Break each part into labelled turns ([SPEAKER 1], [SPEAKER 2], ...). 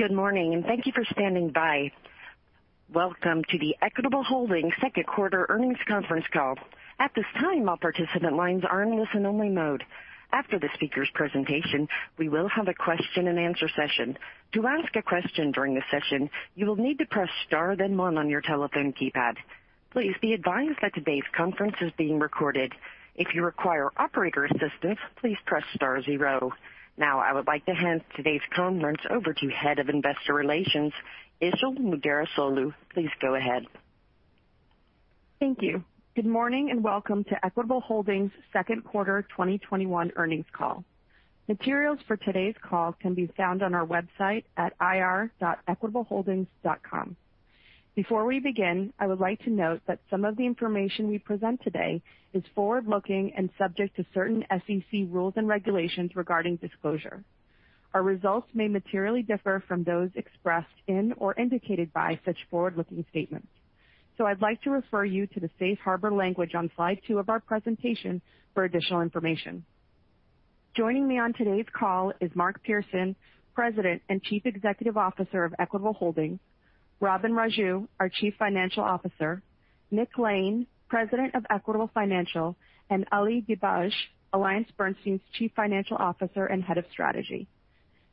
[SPEAKER 1] Good morning. Thank you for standing by. Welcome to the Equitable Holdings second quarter earnings conference call. At this time, all participant lines are in listen-only mode. After the speaker's presentation, we will have a question and answer session. To ask a question during the session, you will need to press star then one on your telephone keypad. Please be advised that today's conference is being recorded. If you require operator assistance, please press star zero. I would like to hand today's conference over to Head of Investor Relations, Işıl Müderrisoğlu. Please go ahead.
[SPEAKER 2] Thank you. Good morning. Welcome to Equitable Holdings second quarter 2021 earnings call. Materials for today's call can be found on our website at ir.equitableholdings.com. Before we begin, I would like to note that some of the information we present today is forward-looking and subject to certain SEC rules and regulations regarding disclosure. Our results may materially differ from those expressed in or indicated by such forward-looking statements. I'd like to refer you to the safe harbor language on slide two of our presentation for additional information. Joining me on today's call is Mark Pearson, President and Chief Executive Officer of Equitable Holdings, Robin Raju, our Chief Financial Officer, Nick Lane, President of Equitable Financial, and Ali Dibadj, AllianceBernstein's Chief Financial Officer and Head of Strategy.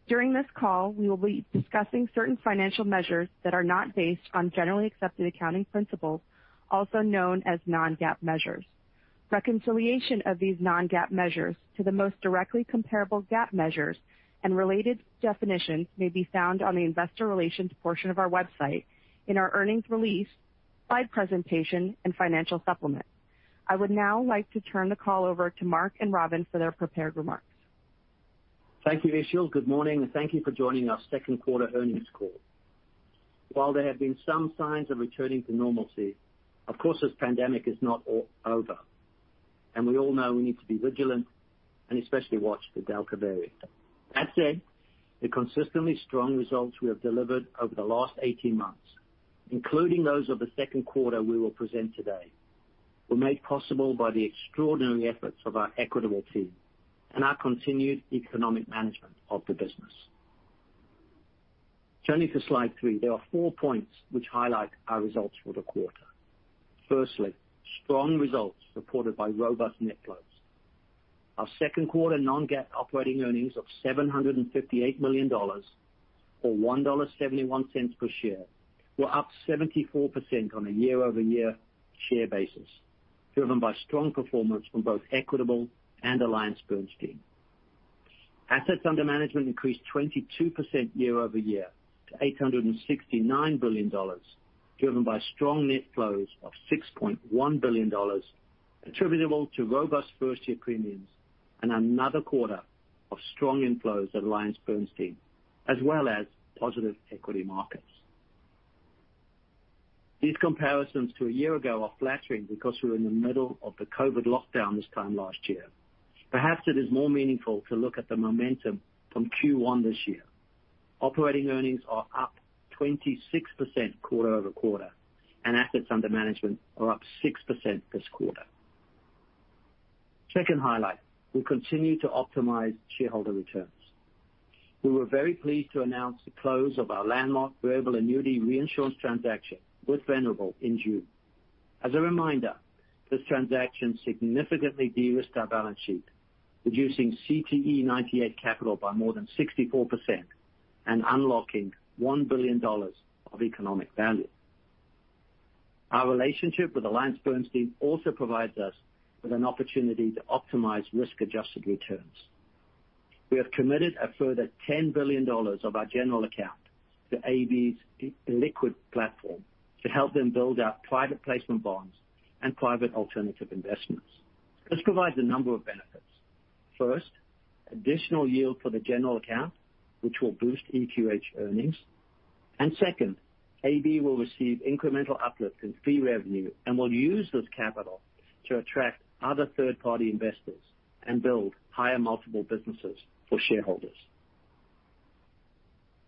[SPEAKER 2] During this call, we will be discussing certain financial measures that are not based on generally accepted accounting principles, also known as non-GAAP measures. Reconciliation of these non-GAAP measures to the most directly comparable GAAP measures and related definitions may be found on the investor relations portion of our website in our earnings release, slide presentation, and financial supplement. I would now like to turn the call over to Mark and Robin for their prepared remarks.
[SPEAKER 3] Thank you, Işıl. Good morning. Thank you for joining our second quarter earnings call. While there have been some signs of returning to normalcy, of course, this pandemic is not over. We all know we need to be vigilant and especially watch the Delta variant. That said, the consistently strong results we have delivered over the last 18 months, including those of the second quarter we will present today, were made possible by the extraordinary efforts of our Equitable team and our continued economic management of the business. Turning to slide three, there are four points which highlight our results for the quarter. Firstly, strong results supported by robust net flows. Our second quarter non-GAAP operating earnings of $758 million, or $1.71 per share, were up 74% on a year-over-year share basis, driven by strong performance from both Equitable and AllianceBernstein. Assets under management increased 22% year-over-year to $869 billion, driven by strong net flows of $6.1 billion attributable to robust first-year premiums and another quarter of strong inflows at AllianceBernstein, as well as positive equity markets. These comparisons to a year ago are flattering because we were in the middle of the COVID-19 lockdown this time last year. Perhaps it is more meaningful to look at the momentum from Q1 this year. Operating earnings are up 26% quarter-over-quarter, and assets under management are up 6% this quarter. Second highlight, we continue to optimize shareholder returns. We were very pleased to announce the close of our landmark variable annuity reinsurance transaction with Venerable in June. As a reminder, this transaction significantly de-risked our balance sheet, reducing CTE98 capital by more than 64% and unlocking $1 billion of economic value. Our relationship with AllianceBernstein also provides us with an opportunity to optimize risk-adjusted returns. We have committed a further $10 billion of our general account to AB's liquid platform to help them build out private placement bonds and private alternative investments. This provides a number of benefits. First, additional yield for the general account, which will boost EQH earnings. Second, AB will receive incremental uplift in fee revenue and will use this capital to attract other third-party investors and build higher multiple businesses for shareholders.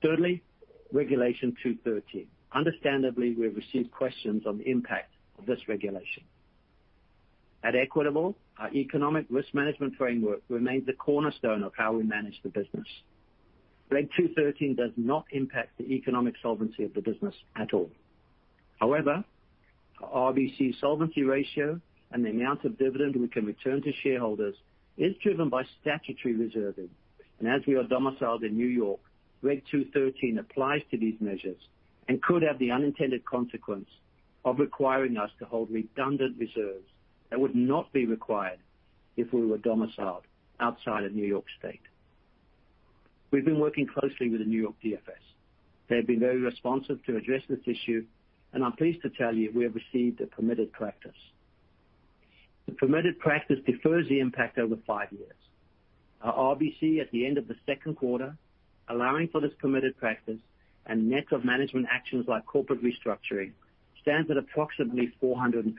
[SPEAKER 3] Thirdly, Regulation 213. Understandably, we have received questions on the impact of this regulation. At Equitable, our economic risk management framework remains the cornerstone of how we manage the business. Reg 213 does not impact the economic solvency of the business at all. However, our RBC solvency ratio and the amount of dividend we can return to shareholders is driven by statutory reserving. As we are domiciled in New York, Reg 213 applies to these measures and could have the unintended consequence of requiring us to hold redundant reserves that would not be required if we were domiciled outside of New York State. We've been working closely with the New York DFS. They have been very responsive to address this issue, and I'm pleased to tell you we have received a permitted practice. The permitted practice defers the impact over five years. Our RBC at the end of the second quarter, allowing for this permitted practice and net of management actions like corporate restructuring, stands at approximately 450%.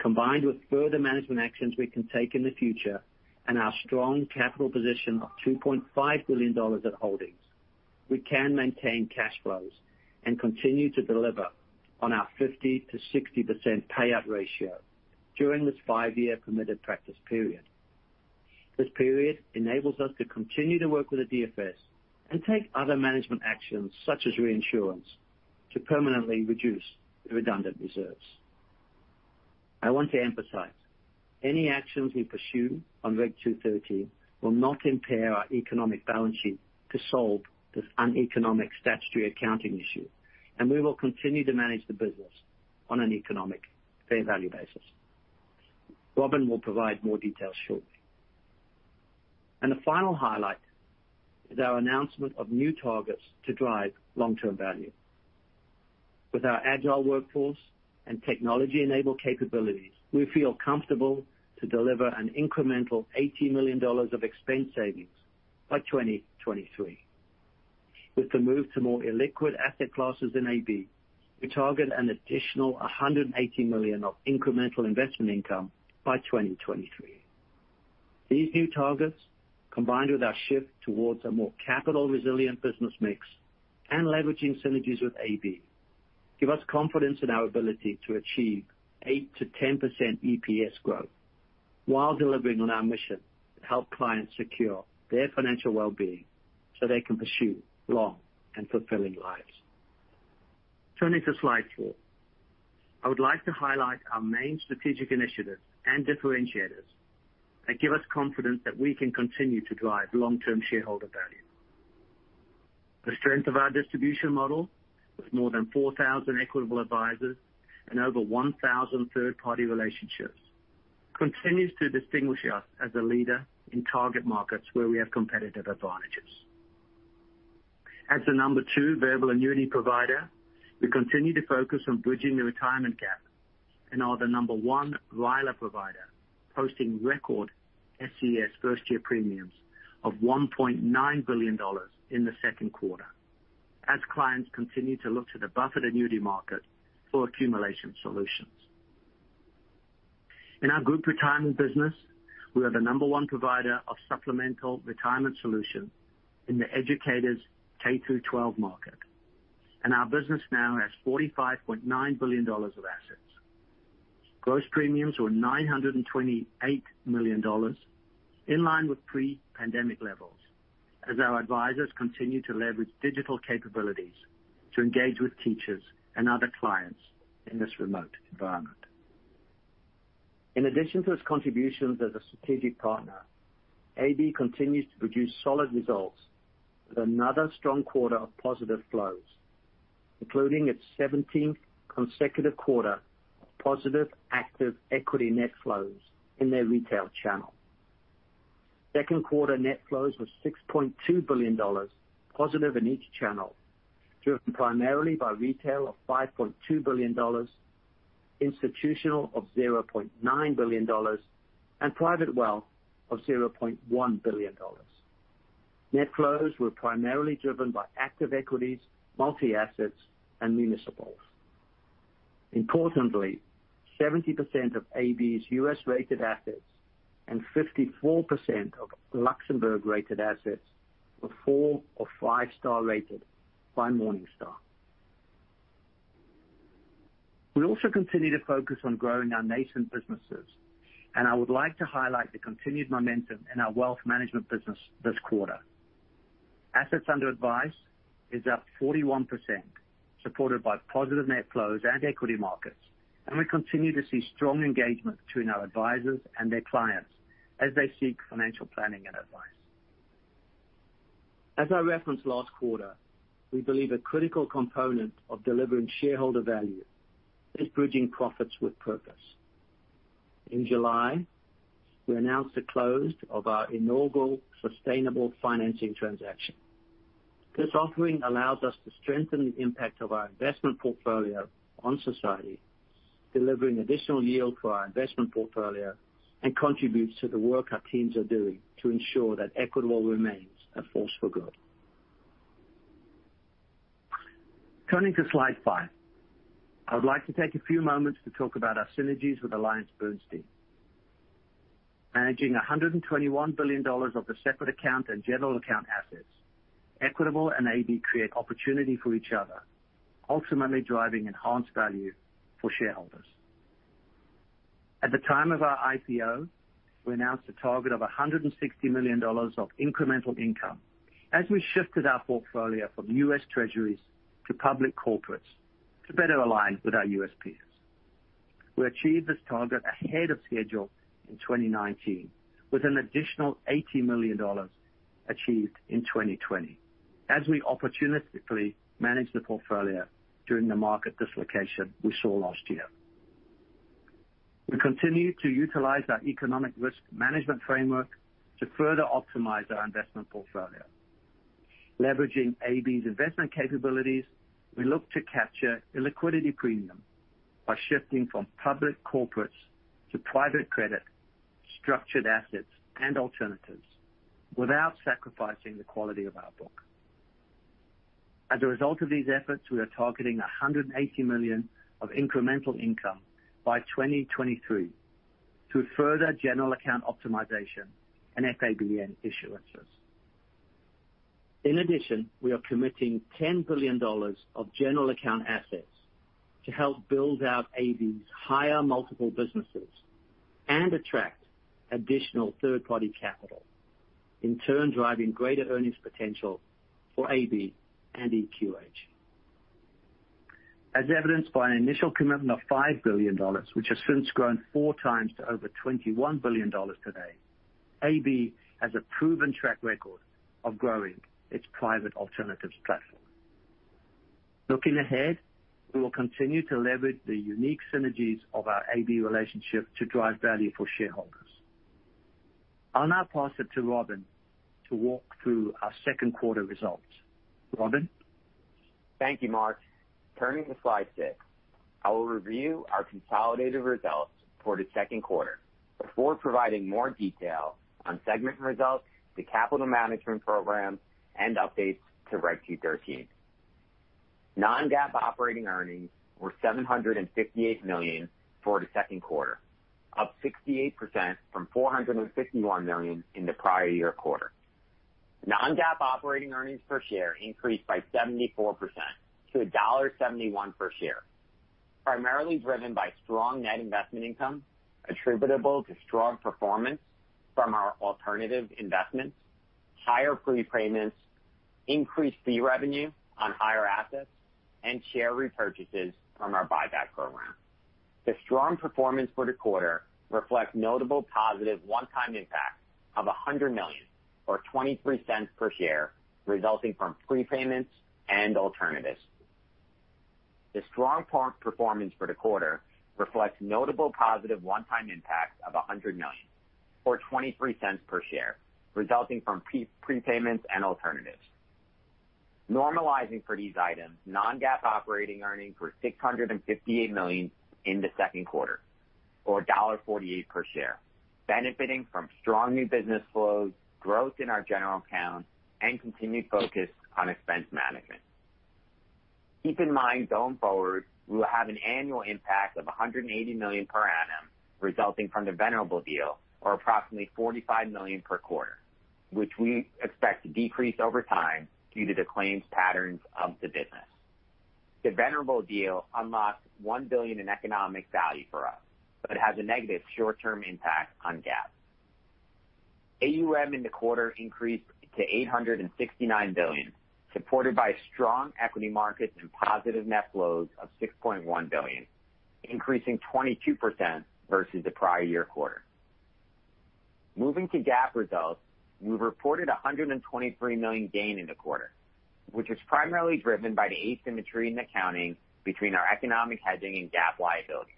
[SPEAKER 3] Combined with further management actions we can take in the future and our strong capital position of $2.5 billion at Holdings, we can maintain cash flows and continue to deliver on our 50%-60% payout ratio during this five-year permitted practice period. This period enables us to continue to work with the DFS and take other management actions, such as reinsurance, to permanently reduce the redundant reserves. I want to emphasize, any actions we pursue on Reg 213 will not impair our economic balance sheet to solve this uneconomic statutory accounting issue, and we will continue to manage the business on an economic fair value basis. Robin will provide more details shortly. The final highlight is our announcement of new targets to drive long-term value. With our agile workforce and technology-enabled capabilities, we feel comfortable to deliver an incremental $80 million of expense savings by 2023. With the move to more illiquid asset classes in AB, we target an additional $180 million of incremental investment income by 2023. These new targets, combined with our shift towards a more capital resilient business mix and leveraging synergies with AllianceBernstein, give us confidence in our ability to achieve 8%-10% EPS growth while delivering on our mission to help clients secure their financial well-being so they can pursue long and fulfilling lives. Turning to slide four. I would like to highlight our main strategic initiatives and differentiators that give us confidence that we can continue to drive long-term shareholder value. The strength of our distribution model, with more than 4,000 Equitable Advisors and over 1,000 third-party relationships, continues to distinguish us as a leader in target markets where we have competitive advantages. As the number 2 variable annuity provider, we continue to focus on bridging the retirement gap and are the number 1 RILA provider, posting record SCS first year premiums of $1.9 billion in the second quarter as clients continue to look to the buffer annuity market for accumulation solutions. In our Group Retirement business, we are the number 1 provider of supplemental retirement solutions in the educators K through 12 market, and our business now has $45.9 billion of assets. Gross premiums were $928 million, in line with pre-pandemic levels as our advisors continue to leverage digital capabilities to engage with teachers and other clients in this remote environment. In addition to its contributions as a strategic partner, AllianceBernstein continues to produce solid results with another strong quarter of positive flows, including its 17th consecutive quarter of positive active equity net flows in their retail channel. Second quarter net flows were $6.2 billion positive in each channel, driven primarily by retail of $5.2 billion, institutional of $0.9 billion, and private wealth of $0.1 billion. Net flows were primarily driven by active equities, multi-assets, and municipals. Importantly, 70% of AllianceBernstein's U.S.-rated assets and 54% of Luxembourg-rated assets were four or five-star rated by Morningstar. We also continue to focus on growing our nascent businesses, and I would like to highlight the continued momentum in our wealth management business this quarter. Assets under advice is up 41%, supported by positive net flows and equity markets, and we continue to see strong engagement between our advisors and their clients as they seek financial planning and advice. As I referenced last quarter, we believe a critical component of delivering shareholder value is bridging profits with purpose. In July, we announced the close of our inaugural sustainable financing transaction. This offering allows us to strengthen the impact of our investment portfolio on society, delivering additional yield for our investment portfolio and contributes to the work our teams are doing to ensure that Equitable remains a force for good. Turning to slide five. I would like to take a few moments to talk about our synergies with AllianceBernstein. Managing $121 billion of the separate account and general account assets, Equitable and AllianceBernstein create opportunity for each other, ultimately driving enhanced value for shareholders. At the time of our IPO, we announced a target of $160 million of incremental income as we shifted our portfolio from U.S. Treasuries to public corporates to better align with our U.S. peers. We achieved this target ahead of schedule in 2019, with an additional $80 million achieved in 2020 as we opportunistically managed the portfolio during the market dislocation we saw last year. We continue to utilize our economic risk management framework to further optimize our investment portfolio. Leveraging AB's investment capabilities, we look to capture illiquidity premium by shifting from public corporates to private credit, structured assets, and alternatives without sacrificing the quality of our book. As a result of these efforts, we are targeting $180 million of incremental income by 2023 to further general account optimization and FABN issuances. In addition, we are committing $10 billion of general account assets to help build out AB's higher multiple businesses and attract additional third-party capital, in turn, driving greater earnings potential for AB and EQH. As evidenced by an initial commitment of $5 billion, which has since grown four times to over $21 billion today, AB has a proven track record of growing its private alternatives platform. Looking ahead, we will continue to leverage the unique synergies of our AB relationship to drive value for shareholders. I'll now pass it to Robin to walk through our second quarter results. Robin?
[SPEAKER 4] Thank you, Mark. Turning to slide six, I will review our consolidated results for the second quarter before providing more detail on segment results, the capital management program, and updates to Reg 213. Non-GAAP operating earnings were $758 million for the second quarter, up 68% from $451 million in the prior year quarter. Non-GAAP operating earnings per share increased by 74% to $1.71 per share, primarily driven by strong net investment income attributable to strong performance from our alternative investments, higher prepayments, increased fee revenue on higher assets, and share repurchases from our buyback program. The strong performance for the quarter reflects notable positive one-time impacts of $100 million or $0.23 per share, resulting from prepayments and alternatives. The strong performance for the quarter reflects notable positive one-time impacts of $100 million or $0.23 per share, resulting from prepayments and alternatives. Normalizing for these items, non-GAAP operating earnings were $658 million in the second quarter or $1.48 per share, benefitting from strong new business flows, growth in our general account, and continued focus on expense management. Keep in mind, going forward, we will have an annual impact of $180 million per annum resulting from the Venerable deal, or approximately $45 million per quarter, which we expect to decrease over time due to the claims patterns of the business. The Venerable deal unlocks $1 billion in economic value for us but has a negative short-term impact on GAAP. AUM in the quarter increased to $869 billion, supported by strong equity markets and positive net flows of $6.1 billion, increasing 22% versus the prior year quarter. Moving to GAAP results, we reported $123 million gain in the quarter, which is primarily driven by the asymmetry in accounting between our economic hedging and GAAP liabilities.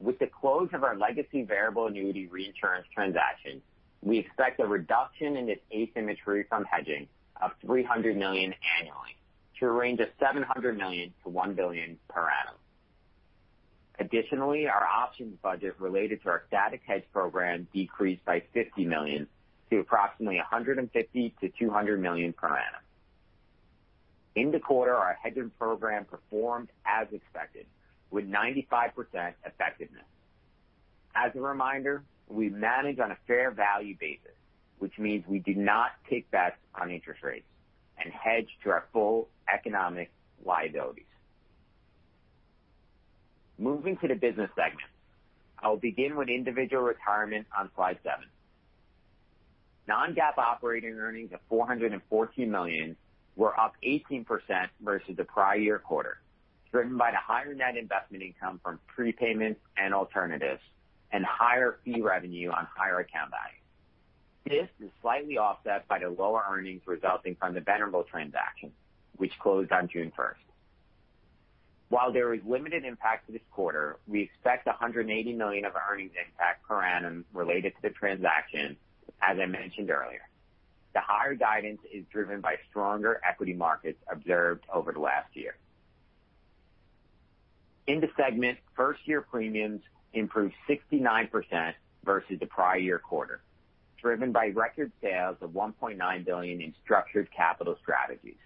[SPEAKER 4] With the close of our legacy variable annuity reinsurance transaction, we expect a reduction in its asymmetry from hedging of $300 million annually to a range of $700 million-$1 billion per annum. Additionally, our options budget related to our static hedge program decreased by $50 million to approximately $150 million-$200 million per annum. In the quarter, our hedging program performed as expected with 95% effectiveness. As a reminder, we manage on a fair value basis, which means we do not take bets on interest rates and hedge to our full economic liabilities. Moving to the business segment. I will begin with Individual Retirement on slide seven. Non-GAAP operating earnings of $414 million were up 18% versus the prior year quarter, driven by the higher net investment income from prepayments and alternatives and higher fee revenue on higher account values. This is slightly offset by the lower earnings resulting from the Venerable transaction, which closed on June 1st. While there is limited impact to this quarter, we expect $180 million of earnings impact per annum related to the transaction, as I mentioned earlier. The higher guidance is driven by stronger equity markets observed over the last year. In the segment, first-year premiums improved 69% versus the prior year quarter, driven by record sales of $1.9 billion in Structured Capital Strategies.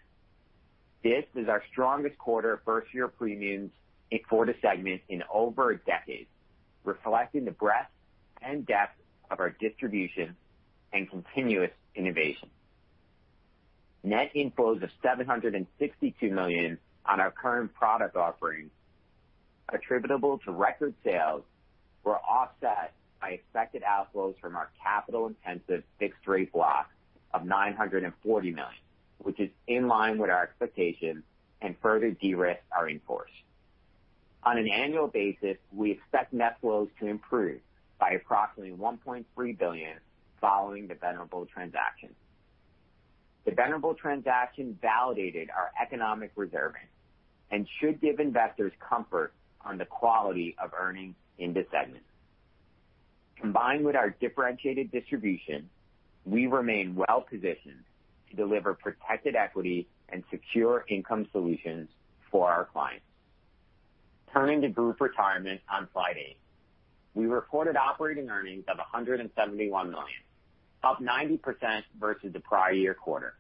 [SPEAKER 4] This is our strongest quarter of first-year premiums for the segment in over a decade, reflecting the breadth and depth of our distribution and continuous innovation. Net inflows of $762 million on our current product offerings attributable to record sales were offset by expected outflows from our capital-intensive fixed rate block of $940 million, which is in line with our expectations and further de-risk our in-force. On an annual basis, we expect net flows to improve by approximately $1.3 billion following the Venerable transaction. The Venerable transaction validated our economic reserving and should give investors comfort on the quality of earnings in this segment. Combined with our differentiated distribution, we remain well-positioned to deliver protected equity and secure income solutions for our clients. Turning to Group Retirement on slide eight. We reported operating earnings of $171 million, up 90% versus the prior year quarter,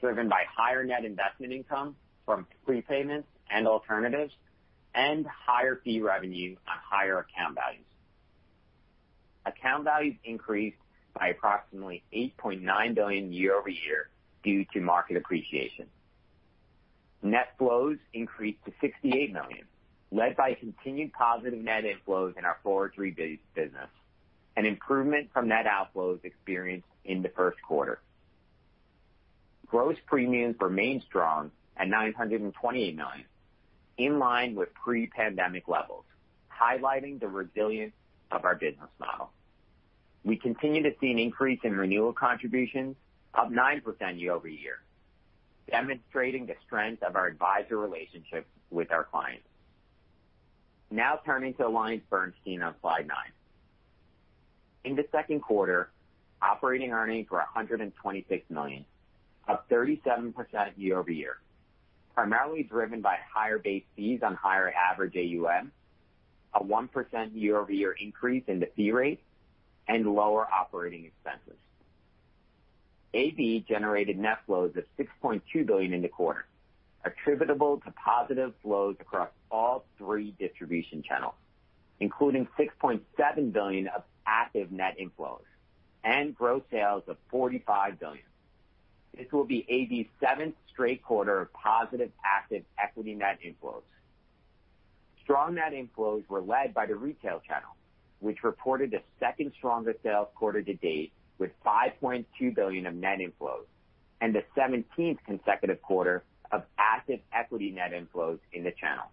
[SPEAKER 4] driven by higher net investment income from prepayments and alternatives and higher fee revenue on higher account values. Account values increased by approximately $8.9 billion year-over-year due to market appreciation. Net flows increased to $68 million, led by continued positive net inflows in our fee-based business, an improvement from net outflows experienced in the first quarter. Gross premiums remained strong at $928 million, in line with pre-pandemic levels, highlighting the resilience of our business model. We continue to see an increase in renewal contributions of 9% year-over-year, demonstrating the strength of our advisor relationships with our clients. Now turning to AllianceBernstein on slide nine. In the second quarter, operating earnings were $126 million, up 37% year-over-year, primarily driven by higher base fees on higher average AUM, a 1% year-over-year increase in the fee rate, and lower operating expenses. AB generated net flows of $6.2 billion in the quarter, attributable to positive flows across all three distribution channels, including $6.7 billion of active net inflows and gross sales of $45 billion. This will be AB's seventh straight quarter of positive active equity net inflows. Strong net inflows were led by the retail channel, which reported the second strongest sales quarter to date with $5.2 billion of net inflows and the 17th consecutive quarter of active equity net inflows in the channel.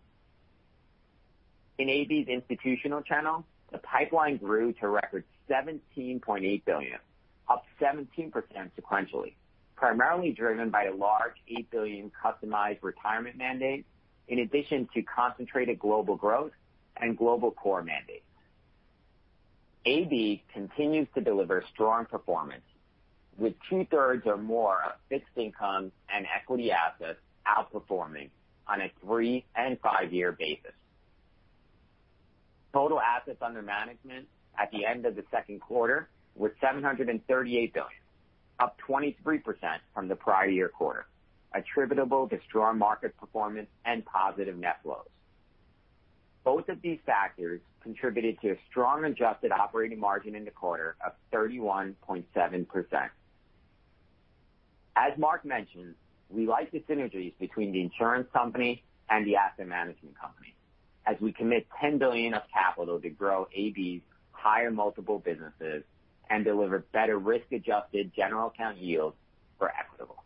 [SPEAKER 4] In AB's institutional channel, the pipeline grew to a record $17.8 billion, up 17% sequentially, primarily driven by a large $8 billion customized retirement mandate in addition to concentrated global growth and global core mandates. AB continues to deliver strong performance with two-thirds or more of fixed income and equity assets outperforming on a three- and five-year basis. Total assets under management at the end of the second quarter were $738 billion, up 23% from the prior year quarter, attributable to strong market performance and positive net flows. Both of these factors contributed to a strong adjusted operating margin in the quarter of 31.7%. As Mark mentioned, we like the synergies between the insurance company and the asset management company, as we commit $10 billion of capital to grow AB's higher multiple businesses and deliver better risk-adjusted general account yields for Equitable.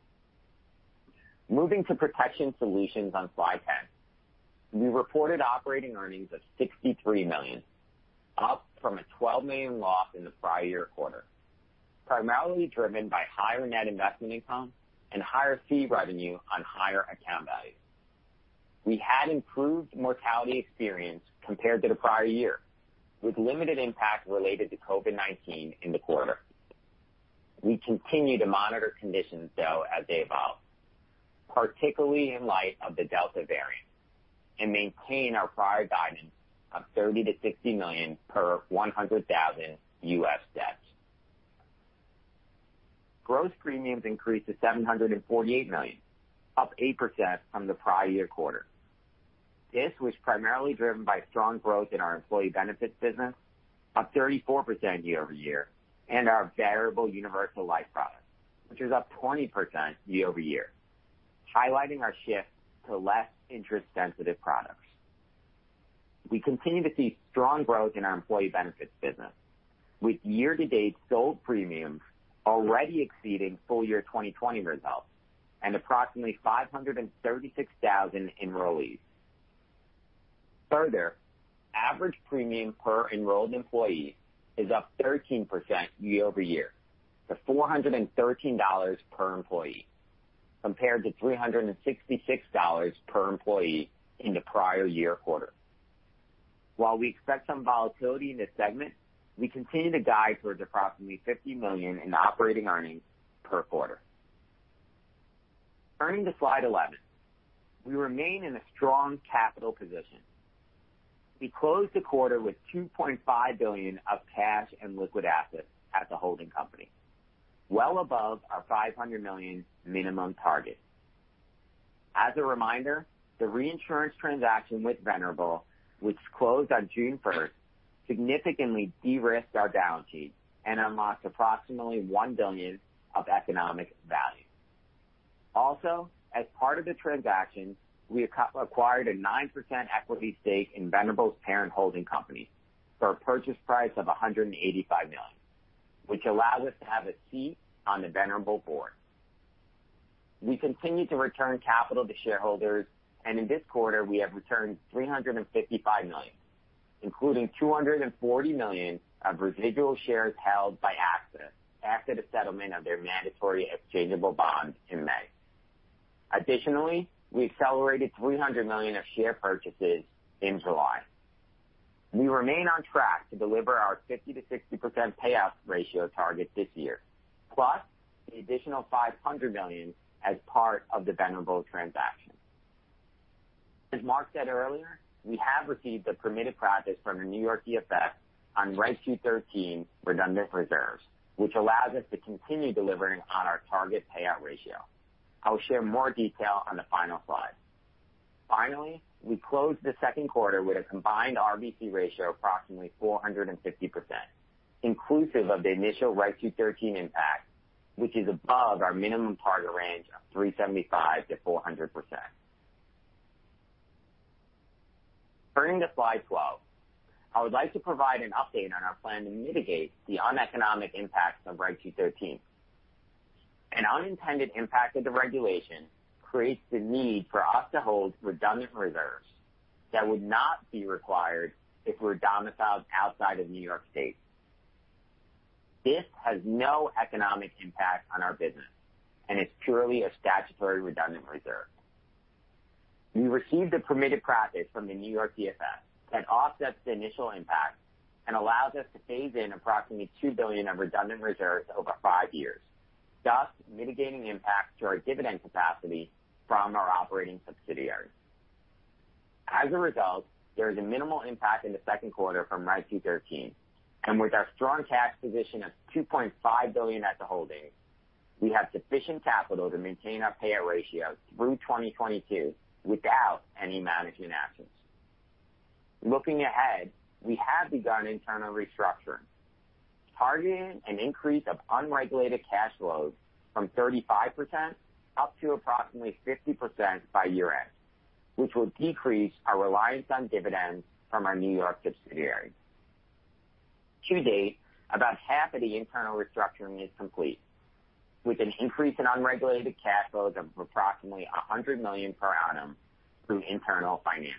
[SPEAKER 4] Moving to Protection Solutions on slide 10. We reported operating earnings of $63 million, up from a $12 million loss in the prior year quarter, primarily driven by higher net investment income and higher fee revenue on higher account values. We had improved mortality experience compared to the prior year, with limited impact related to COVID-19 in the quarter. We continue to monitor conditions, though, as they evolve, particularly in light of the Delta variant, and maintain our prior guidance of $30 million to $60 million per 100,000 U.S. deaths. Gross premiums increased to $748 million, up 8% from the prior year quarter. This was primarily driven by strong growth in our employee benefits business, up 34% year-over-year, and our variable universal life products, which is up 20% year-over-year, highlighting our shift to less interest-sensitive products. We continue to see strong growth in our employee benefits business, with year-to-date sold premiums already exceeding full year 2020 results and approximately 536,000 enrollees. Further, average premium per enrolled employee is up 13% year-over-year to $413 per employee, compared to $366 per employee in the prior year quarter. While we expect some volatility in this segment, we continue to guide towards approximately $50 million in operating earnings per quarter. Turning to slide 11. We remain in a strong capital position. We closed the quarter with $2.5 billion of cash and liquid assets at the holding company, well above our $500 million minimum target. As a reminder, the reinsurance transaction with Venerable, which closed on June 1st, significantly de-risked our balance sheet and unlocked approximately $1 billion of economic value. Also, as part of the transaction, we acquired a 9% equity stake in Venerable's parent holding company for a purchase price of $185 million, which allows us to have a seat on the Venerable board. We continue to return capital to shareholders, and in this quarter, we have returned $355 million, including $240 million of residual shares held by AXA after the settlement of their mandatory exchangeable bonds in May. Additionally, we accelerated $300 million of share purchases in July. We remain on track to deliver our 50%-60% payout ratio target this year, plus the additional $500 million as part of the Venerable transaction. As Mark said earlier, we have received the permitted practice from the New York DFS on Reg 213 redundant reserves, which allows us to continue delivering on our target payout ratio. I'll share more detail on the final slide. Finally, we closed the second quarter with a combined RBC ratio of approximately 450%, inclusive of the initial Reg 213 impact, which is above our minimum target range of 375%-400%. Turning to slide 12, I would like to provide an update on our plan to mitigate the uneconomic impacts of Reg 213. An unintended impact of the regulation creates the need for us to hold redundant reserves that would not be required if we were domiciled outside of New York State. This has no economic impact on our business, and it's purely a statutory redundant reserve. We received a permitted practice from the New York DFS that offsets the initial impact and allows us to phase in approximately $2 billion of redundant reserves over five years, thus mitigating the impact to our dividend capacity from our operating subsidiaries. As a result, there is a minimal impact in the second quarter from Reg 213, and with our strong cash position of $2.5 billion at the holding, we have sufficient capital to maintain our payout ratio through 2022 without any management actions. Looking ahead, we have begun internal restructuring, targeting an increase of unregulated cash flows from 35% up to approximately 50% by year-end, which will decrease our reliance on dividends from our New York subsidiaries. To date, about half of the internal restructuring is complete, with an increase in unregulated cash flows of approximately $100 million per annum through internal financing.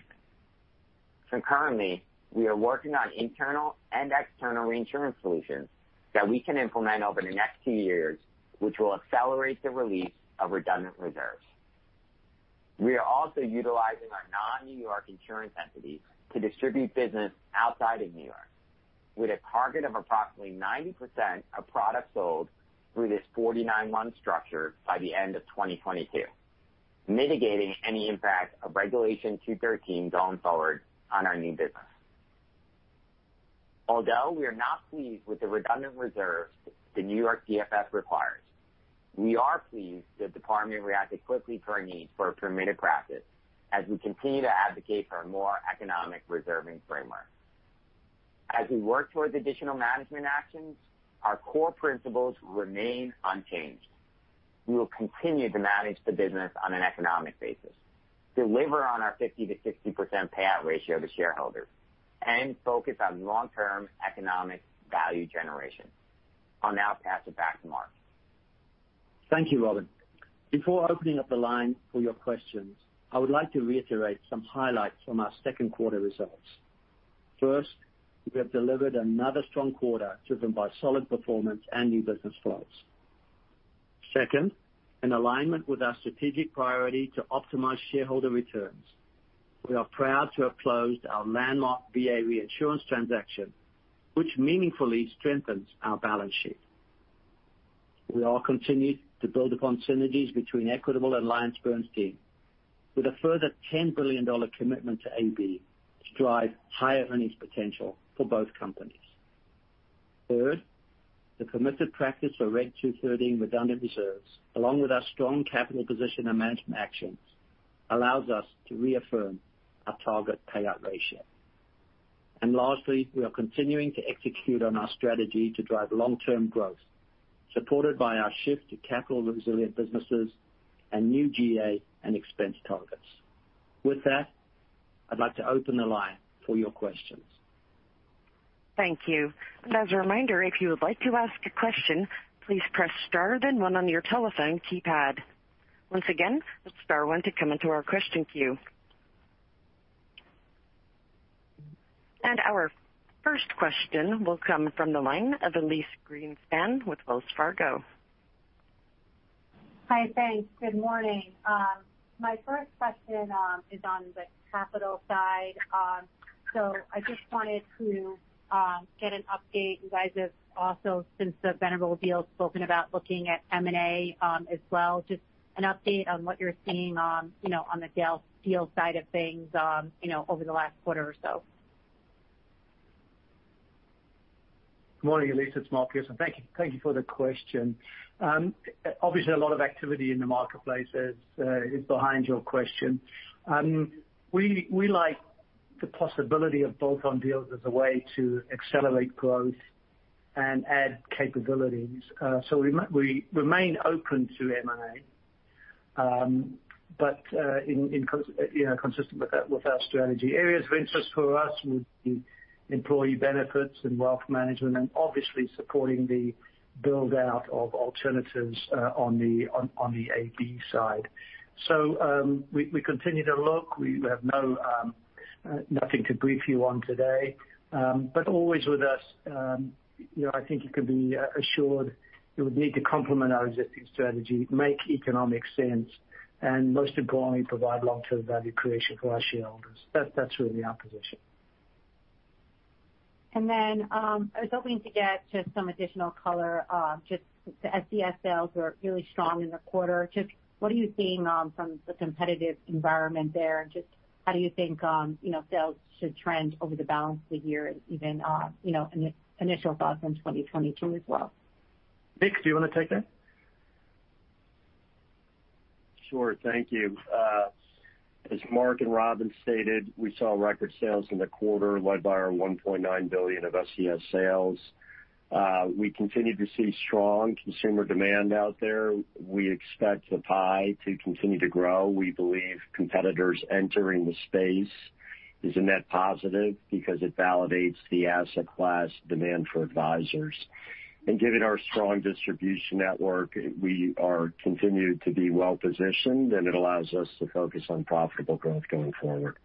[SPEAKER 4] Concurrently, we are working on internal and external reinsurance solutions that we can implement over the next two years, which will accelerate the release of redundant reserves. We are also utilizing our non-New York insurance entities to distribute business outside of New York, with a target of approximately 90% of products sold through this 49-month structure by the end of 2022, mitigating any impact of Regulation 213 going forward on our new business. Although we are not pleased with the redundant reserves the New York DFS requires, we are pleased the department reacted quickly to our needs for a permitted practice as we continue to advocate for a more economic reserving framework. As we work towards additional management actions, our core principles remain unchanged. We will continue to manage the business on an economic basis, deliver on our 50%-60% payout ratio to shareholders, and focus on long-term economic value generation. I'll now pass it back to Mark.
[SPEAKER 3] Thank you, Robin. Before opening up the line for your questions, I would like to reiterate some highlights from our second quarter results. First, we have delivered another strong quarter driven by solid performance and new business flows. Second, in alignment with our strategic priority to optimize shareholder returns, we are proud to have closed our landmark VA reinsurance transaction, which meaningfully strengthens our balance sheet. We are continuing to build upon synergies between Equitable and AllianceBernstein with a further $10 billion commitment to AB to drive higher earnings potential for both companies. Third, the permitted practice for Reg 213 redundant reserves, along with our strong capital position and management actions, allows us to reaffirm our target payout ratio. Lastly, we are continuing to execute on our strategy to drive long-term growth, supported by our shift to capital resilient businesses and new GA and expense targets. With that, I'd like to open the line for your questions.
[SPEAKER 1] Thank you. As a reminder, if you would like to ask a question, please press star then one on your telephone keypad. Once again, it's star one to come into our question queue. Our first question will come from the line of Elyse Greenspan with Wells Fargo.
[SPEAKER 5] Hi. Thanks. Good morning. My first question is on the capital side. I just wanted to get an update. You guys have also, since the Venerable deal, spoken about looking at M&A as well, just an update on what you're seeing on the deal side of things over the last quarter or so.
[SPEAKER 3] Good morning, Elyse. It's Mark Pearson. Thank you for the question. Obviously, a lot of activity in the marketplace is behind your question. We like the possibility of bolt-on deals as a way to accelerate growth and add capabilities. We remain open to M&A. Consistent with our strategy, areas of interest for us would be employee benefits and wealth management, and obviously supporting the build-out of alternatives on the AB side. We continue to look. We have nothing to brief you on today. Always with us, I think you can be assured it would need to complement our existing strategy, make economic sense, and most importantly, provide long-term value creation for our shareholders. That's really our position.
[SPEAKER 5] I was hoping to get just some additional color. Just the SCS sales were really strong in the quarter. Just what are you seeing from the competitive environment there? Just how do you think sales should trend over the balance of the year and even initial thoughts on 2022 as well?
[SPEAKER 3] Nick, do you want to take that?
[SPEAKER 6] Sure. Thank you. As Mark and Robin stated, we saw record sales in the quarter led by our $1.9 billion of SCS sales. We continue to see strong consumer demand out there. We expect the pie to continue to grow. We believe competitors entering the space is a net positive because it validates the asset class demand for advisors. Given our strong distribution network, we are continued to be well-positioned, and it allows us to focus on profitable growth going forward.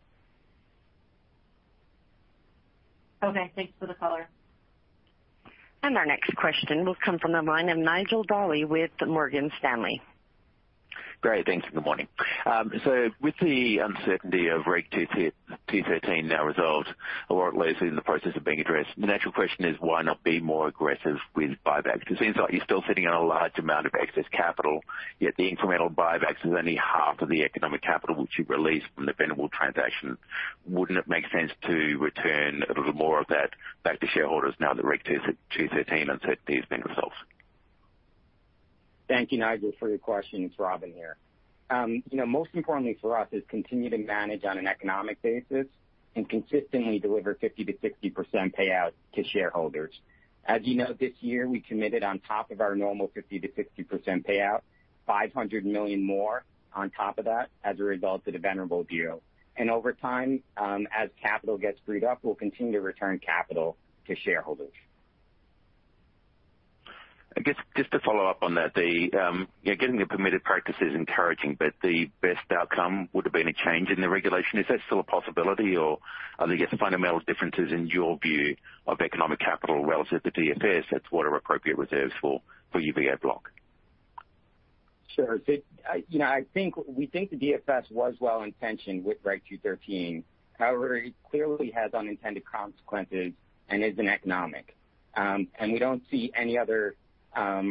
[SPEAKER 5] Okay. Thanks for the color.
[SPEAKER 1] Our next question will come from the line of Nigel Dally with Morgan Stanley.
[SPEAKER 7] Great. Thanks. Good morning. With the uncertainty of Reg 213 now resolved, or at least in the process of being addressed, the natural question is why not be more aggressive with buybacks? It seems like you're still sitting on a large amount of excess capital, yet the incremental buybacks is only half of the economic capital which you released from the Venerable transaction. Wouldn't it make sense to return a little bit more of that back to shareholders now that Reg 213 has been resolved?
[SPEAKER 4] Thank you, Nigel, for your question. It's Robin here. Most importantly for us is continue to manage on an economic basis and consistently deliver 50% to 60% payout to shareholders. As you know, this year, we committed on top of our normal 50% to 60% payout, $500 million more on top of that as a result of the Venerable deal. Over time, as capital gets freed up, we'll continue to return capital to shareholders.
[SPEAKER 7] I guess just to follow up on that, getting the permitted practice is encouraging, but the best outcome would have been a change in the regulation. Is that still a possibility, or are there fundamental differences in your view of economic capital relative to DFS that's what are appropriate reserves for UPR block?
[SPEAKER 4] Sure. We think the DFS was well-intentioned with Reg 213. However, it clearly has unintended consequences and isn't economic. We don't see any other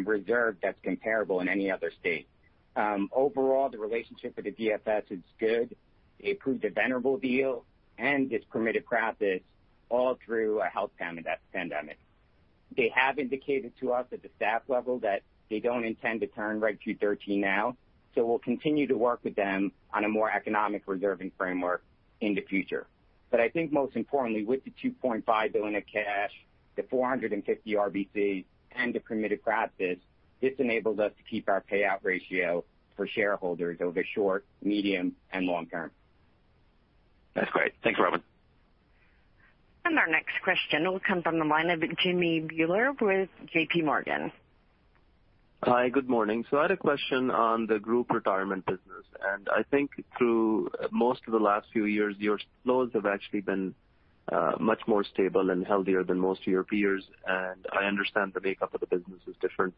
[SPEAKER 4] reserve that's comparable in any other state. Overall, the relationship with the DFS is good. They approved the Venerable deal and this permitted practice all through a health pandemic. They have indicated to us at the staff level that they don't intend to turn Reg 213 now, so we'll continue to work with them on a more economic reserving framework in the future. I think most importantly, with the $2.5 billion of cash, the 450 RBCs and the permitted practice, this enables us to keep our payout ratio for shareholders over short, medium, and long term.
[SPEAKER 7] That's great. Thanks, Robin.
[SPEAKER 1] Our next question will come from the line of Jimmy Bhullar with J.P. Morgan.
[SPEAKER 8] Hi, good morning. I had a question on the Group Retirement business, and I think through most of the last few years, your flows have actually been much more stable and healthier than most of your peers. I understand the makeup of the business is different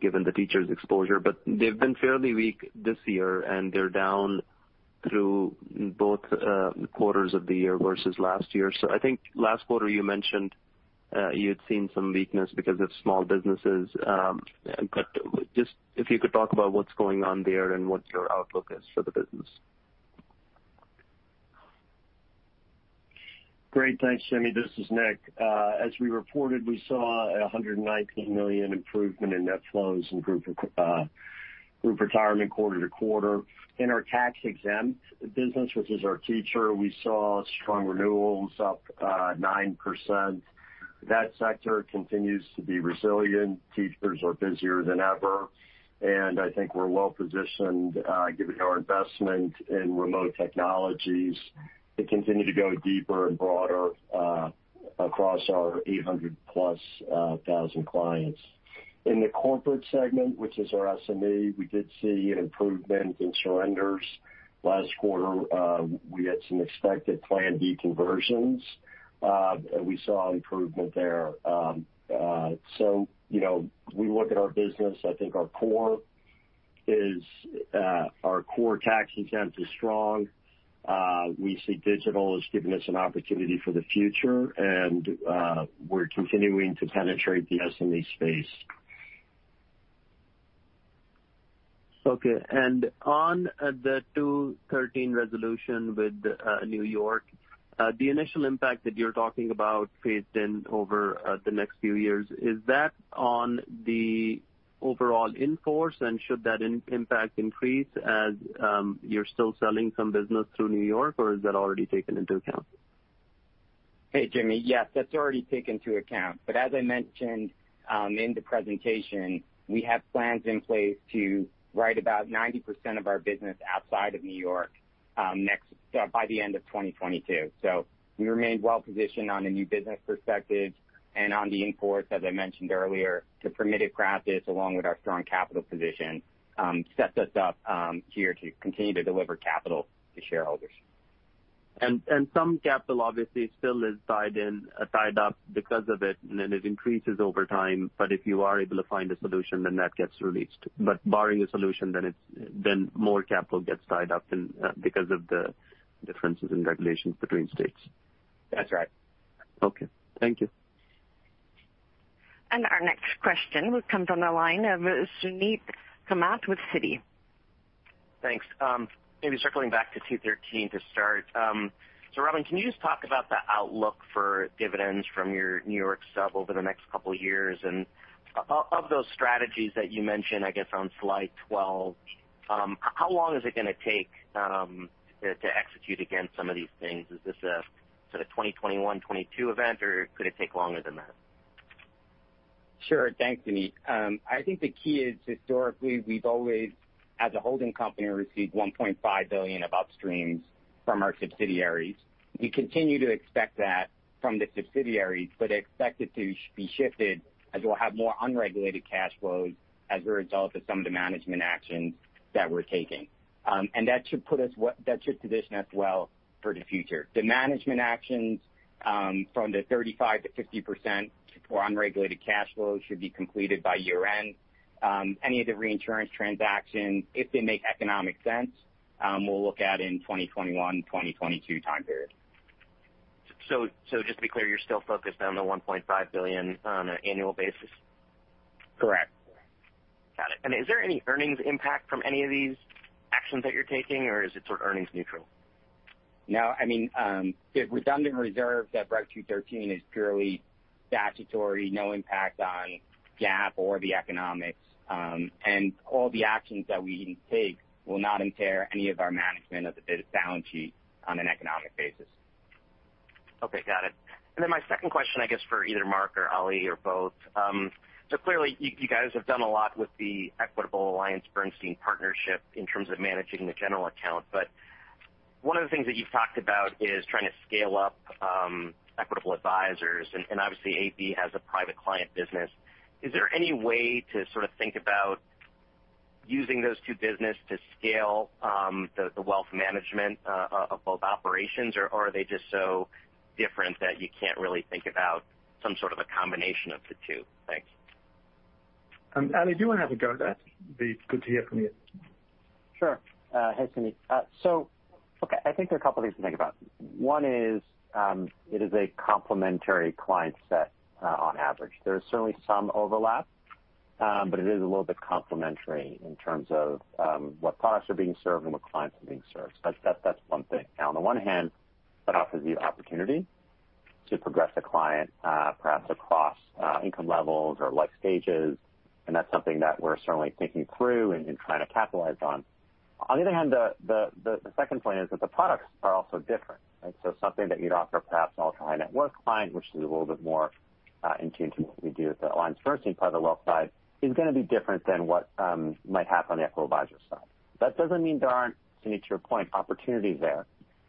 [SPEAKER 8] given the teachers exposure, but they've been fairly weak this year, and they're down through both quarters of the year versus last year. I think last quarter you mentioned you'd seen some weakness because of small businesses. Just if you could talk about what's going on there and what your outlook is for the business.
[SPEAKER 6] Great. Thanks, Jimmy. This is Nick. As we reported, we saw a $119 million improvement in net flows in Group Retirement quarter to quarter. In our tax-exempt business, which is our teacher, we saw strong renewals up 9%. That sector continues to be resilient. Teachers are busier than ever, and I think we're well-positioned given our investment in remote technologies to continue to go deeper and broader across our 800-plus thousand clients. In the corporate segment, which is our SME, we did see an improvement in surrenders. Last quarter, we had some expected plan de conversions. We saw improvement there. We look at our business, I think our core tax exempt is strong. We see digital as giving us an opportunity for the future, and we're continuing to penetrate the SME space.
[SPEAKER 8] Okay. On the 213 resolution with New York, the initial impact that you're talking about phased in over the next few years, is that on the overall in force, and should that impact increase as you're still selling some business through New York, or is that already taken into account?
[SPEAKER 4] Hey, Jimmy. Yes, that's already taken into account. As I mentioned in the presentation, we have plans in place to write about 90% of our business outside of New York by the end of 2022. We remain well positioned on a new business perspective and on the in force, as I mentioned earlier, to permitted practice along with our strong capital position sets us up here to continue to deliver capital to shareholders.
[SPEAKER 8] Some capital obviously still is tied up because of it, then it increases over time. If you are able to find a solution, that gets released. Barring a solution, more capital gets tied up because of the differences in regulations between states.
[SPEAKER 4] That's right.
[SPEAKER 8] Okay. Thank you.
[SPEAKER 1] Our next question comes on the line of Suneet Kamath with Citi.
[SPEAKER 9] Thanks. Maybe circling back to 213 to start. Robin, can you just talk about the outlook for dividends from your New York stuff over the next couple of years? Of those strategies that you mentioned, I guess on slide 12, how long is it going to take to execute against some of these things? Is this a sort of 2021, 2022 event, or could it take longer than that?
[SPEAKER 4] Sure. Thanks, Suneet. I think the key is, historically, we've always, as a holding company, received $1.5 billion of upstreams from our subsidiaries. We continue to expect that from the subsidiaries, expect it to be shifted as we'll have more unregulated cash flows as a result of some of the management actions that we're taking. That should position us well for the future. The management actions from the 35% to 50% for unregulated cash flows should be completed by year-end. Any of the reinsurance transactions, if they make economic sense, we'll look at in 2021-2022 time period.
[SPEAKER 9] Just to be clear, you're still focused on the $1.5 billion on an annual basis?
[SPEAKER 4] Correct.
[SPEAKER 9] Got it. Is there any earnings impact from any of these actions that you're taking, or is it sort of earnings neutral?
[SPEAKER 4] No, the redundant reserve that Reg 213 is purely statutory, no impact on GAAP or the economics. All the actions that we take will not impair any of our management of the balance sheet on an economic basis.
[SPEAKER 9] Okay. Got it. My second question, I guess for either Mark or Ali or both. Clearly, you guys have done a lot with the Equitable AllianceBernstein partnership in terms of managing the general account, but one of the things that you've talked about is trying to scale up Equitable Advisors, and obviously AB has a private client business. Is there any way to sort of think about using those two business to scale the wealth management of both operations? Or are they just so different that you can't really think about some sort of a combination of the two? Thanks.
[SPEAKER 3] Ali, do you want to have a go at that? Be good to hear from you.
[SPEAKER 10] Sure. Hey, Suneet. Okay, I think there are a couple of things to think about. One is, it is a complementary client set on average. There is certainly some overlap, but it is a little bit complementary in terms of what products are being served and what clients are being served. That's one thing. Now, on the one hand, that offers you opportunity to progress a client, perhaps across income levels or life stages, and that's something that we're certainly thinking through and trying to capitalize on. On the other hand, the second point is that the products are also different, right? Something that you'd offer perhaps an ultra-high net worth client, which is a little bit more in tune to what we do at the AllianceBernstein part of the wealth side, is going to be different than what might happen on the Equitable Advisors side. That doesn't mean there aren't, Suneet, to your point, opportunities there.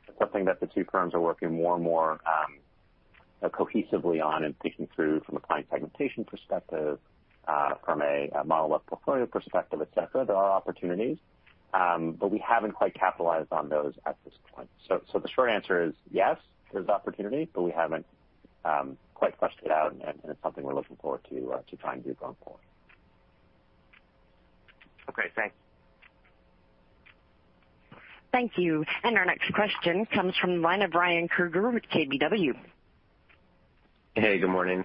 [SPEAKER 10] It's something that the two firms are working more and more cohesively on and thinking through from a client segmentation perspective, from a model of portfolio perspective, et cetera. There are opportunities, but we haven't quite capitalized on those at this point. The short answer is yes, there's opportunity, but we haven't quite fleshed it out, and it's something we're looking forward to trying to do going forward.
[SPEAKER 9] Okay, thanks.
[SPEAKER 1] Thank you. Our next question comes from the line of Ryan Krueger with KBW.
[SPEAKER 11] Hey, good morning.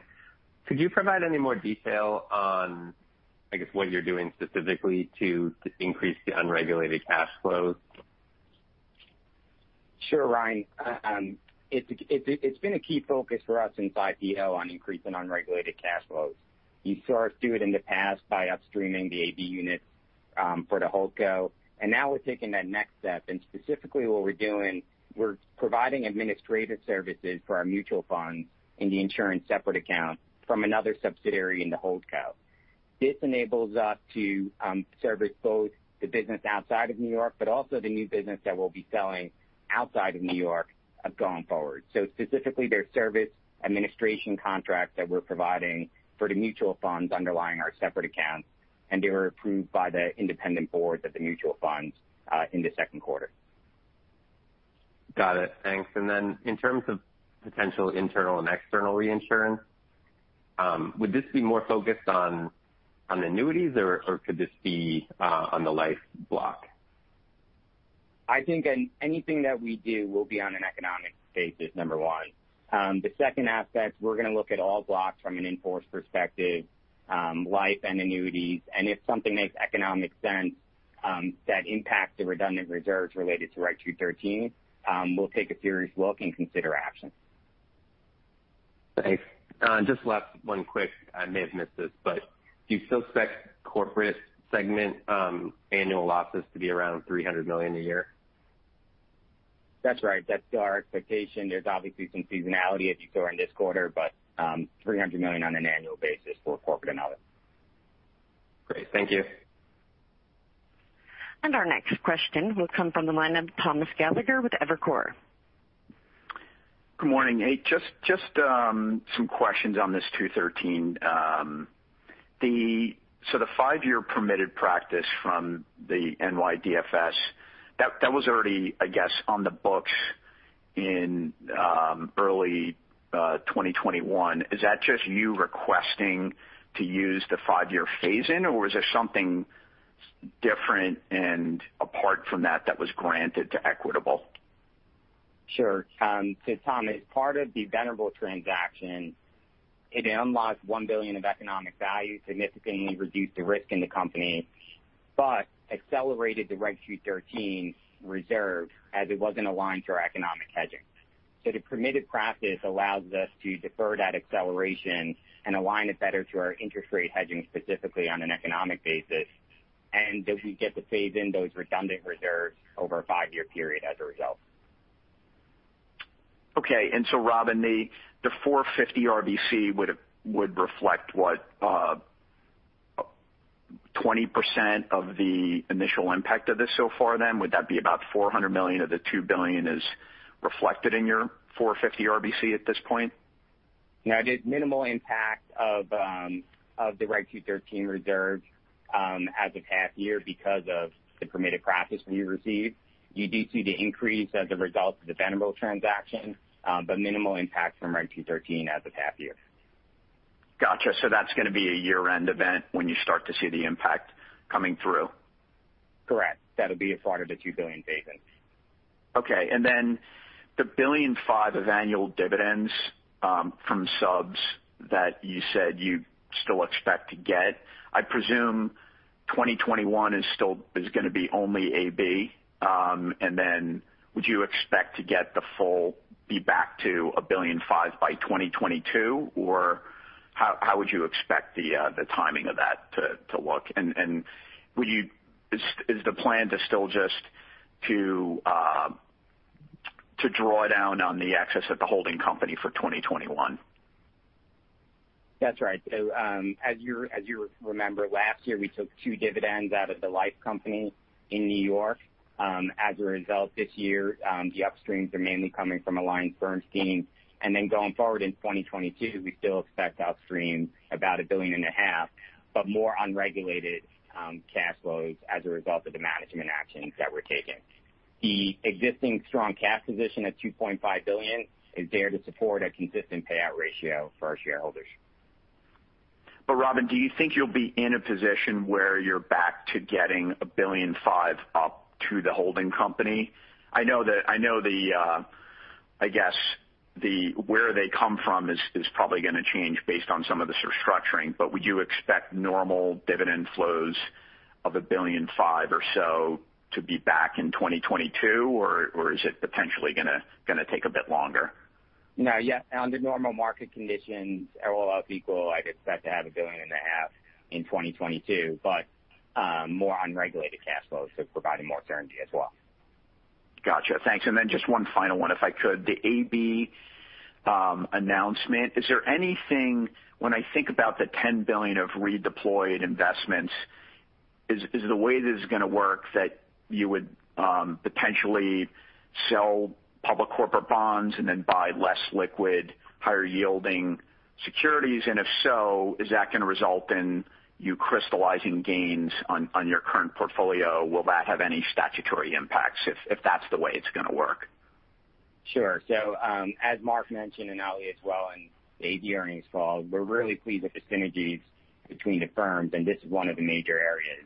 [SPEAKER 11] Could you provide any more detail on, I guess, what you're doing specifically to increase the unregulated cash flows?
[SPEAKER 4] Sure, Ryan. It's been a key focus for us since IPO on increasing unregulated cash flows. You saw us do it in the past by upstreaming the AB unit for the holdco, and now we're taking that next step. Specifically what we're doing, we're providing administrative services for our mutual funds in the insurance separate account from another subsidiary in the holdco. This enables us to service both the business outside of New York, but also the new business that we'll be selling outside of New York going forward. Specifically, they're service administration contracts that we're providing for the mutual funds underlying our separate accounts, and they were approved by the independent boards of the mutual funds in the second quarter.
[SPEAKER 11] Got it. Thanks. Then in terms of potential internal and external reinsurance, would this be more focused on annuities, or could this be on the life block?
[SPEAKER 4] I think anything that we do will be on an economic basis, number one. The second aspect, we're going to look at all blocks from an in-force perspective, life and annuities. If something makes economic sense that impacts the redundant reserves related to Reg 213, we'll take a serious look and consider actions.
[SPEAKER 11] Thanks. Just last one quick, I may have missed this, do you still expect corporate segment annual losses to be around $300 million a year?
[SPEAKER 4] That's right. That's our expectation. There's obviously some seasonality as you saw in this quarter, $300 million on an annual basis for corporate and others.
[SPEAKER 11] Great. Thank you.
[SPEAKER 1] Our next question will come from the line of Thomas Gallagher with Evercore.
[SPEAKER 12] Good morning. Hey, just some questions on this 213. The five-year permitted practice from the NYDFS, that was already, I guess, on the books in early 2021. Is that just you requesting to use the five-year phase-in, or is there something different and apart from that that was granted to Equitable?
[SPEAKER 4] Tom, as part of the Venerable transaction, it unlocked $1 billion of economic value, significantly reduced the risk in the company, but accelerated the REG 213 reserve as it wasn't aligned to our economic hedging. The permitted practice allows us to defer that acceleration and align it better to our interest rate hedging, specifically on an economic basis. We get to phase in those redundant reserves over a five-year period as a result.
[SPEAKER 12] Okay. Robin, the 450 RBC would reflect what? 20% of the initial impact of this so far then? Would that be about $400 million of the $2 billion is reflected in your 450 RBC at this point?
[SPEAKER 4] No, the minimal impact of the REG 213 reserve as of half year because of the permitted practice we received. You do see the increase as a result of the Venerable transaction, minimal impact from REG 213 as of half year.
[SPEAKER 12] Got you. That's going to be a year-end event when you start to see the impact coming through?
[SPEAKER 4] Correct. That'll be a part of the $2 billion dividend.
[SPEAKER 12] The $1.5 billion of annual dividends from subs that you said you still expect to get, I presume 2021 is going to be only AB. Would you expect to get the full, be back to a $1.5 billion by 2022? How would you expect the timing of that to look? Is the plan to still just to draw down on the excess at the holding company for 2021?
[SPEAKER 4] That's right. As you remember, last year we took two dividends out of the life company in New York. As a result, this year, the upstreams are mainly coming from AllianceBernstein. Going forward in 2022, we still expect upstreams about $1.5 billion, but more unregulated cash flows as a result of the management actions that we're taking. The existing strong cash position of $2.5 billion is there to support a consistent payout ratio for our shareholders.
[SPEAKER 12] Robin, do you think you'll be in a position where you're back to getting a $1.5 billion up to the holding company? I know where they come from is probably going to change based on some of the restructuring, but would you expect normal dividend flows of a $1.5 billion or so to be back in 2022, or is it potentially going to take a bit longer?
[SPEAKER 4] No, under normal market conditions, all else equal, I'd expect to have $1.5 billion in 2022, but more unregulated cash flow, providing more certainty as well.
[SPEAKER 12] Got you. Thanks. Just one final one, if I could. The AB announcement, is there anything when I think about the $10 billion of redeployed investments, is the way this is going to work that you would potentially sell public corporate bonds and then buy less liquid, higher yielding securities? If so, is that going to result in you crystallizing gains on your current portfolio? Will that have any statutory impacts if that's the way it's going to work?
[SPEAKER 4] Sure. As Mark mentioned, Ali as well in the AB earnings call, we're really pleased with the synergies between the firms, this is one of the major areas.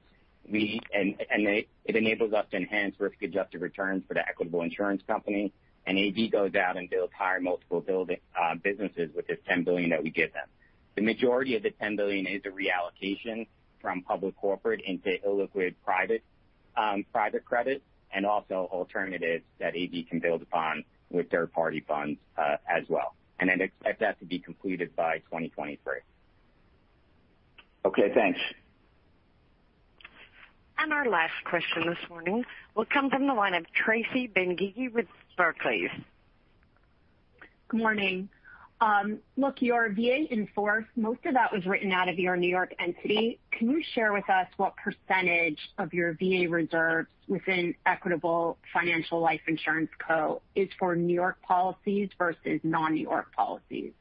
[SPEAKER 4] It enables us to enhance risk-adjusted returns for the Equitable Insurance company. AB goes out and builds higher multiple businesses with this $10 billion that we give them. The majority of the $10 billion is a reallocation from public corporate into illiquid private credit, also alternatives that AB can build upon with third-party funds as well. I'd expect that to be completed by 2023.
[SPEAKER 12] Okay, thanks.
[SPEAKER 1] Our last question this morning will come from the line of Tracy Benguigui with Barclays.
[SPEAKER 13] Good morning. Look, your VA in force, most of that was written out of your New York entity. Can you share with us what % of your VA reserves within Equitable Financial Life Insurance Co. is for New York policies versus non-New York policies?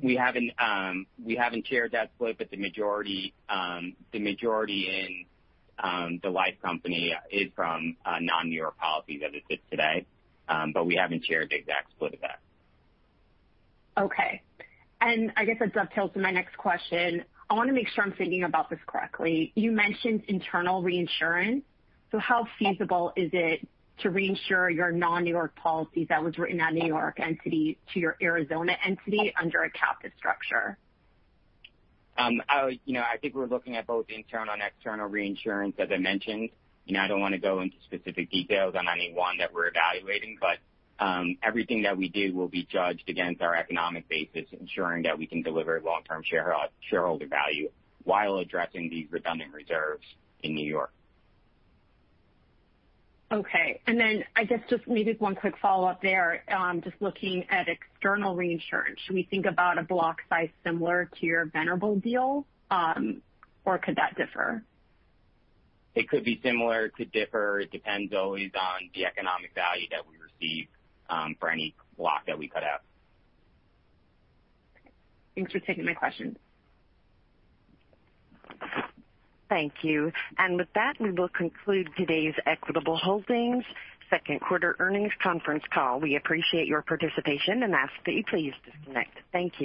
[SPEAKER 4] We haven't shared that split, the majority in the life company is from non-New York policies as it sits today. We haven't shared the exact split of that.
[SPEAKER 13] Okay. I guess that's uphill to my next question. I want to make sure I'm thinking about this correctly. You mentioned internal reinsurance. How feasible is it to reinsure your non-New York policies that was written out of New York entity to your Arizona entity under a captive structure?
[SPEAKER 4] I think we're looking at both internal and external reinsurance, as I mentioned. I don't want to go into specific details on any one that we're evaluating, but everything that we do will be judged against our economic basis, ensuring that we can deliver long-term shareholder value while addressing these redundant reserves in New York.
[SPEAKER 13] Okay. I guess just maybe one quick follow-up there. Just looking at external reinsurance, should we think about a block size similar to your Venerable deal? Or could that differ?
[SPEAKER 4] It could be similar. It could differ. It depends always on the economic value that we receive for any block that we cut out.
[SPEAKER 13] Thanks for taking my question.
[SPEAKER 1] Thank you. With that, we will conclude today's Equitable Holdings second quarter earnings conference call. We appreciate your participation and ask that you please disconnect. Thank you.